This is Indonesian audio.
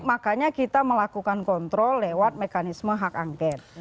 makanya kita melakukan kontrol lewat mekanisme hak angket